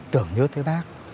tưởng nhớ tới bác